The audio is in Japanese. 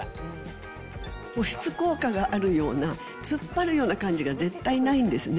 保湿効果があるような、つっぱるような感じが絶対ないんですね。